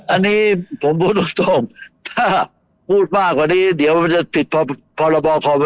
อันนี้ผมพูดตรงถ้าพูดมากกว่านี้เดี๋ยวมันจะผิดพรบคอม